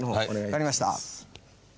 分かりました。